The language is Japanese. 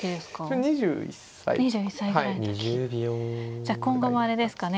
じゃあ今後もあれですかね